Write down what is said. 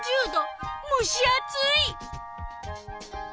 むし暑い！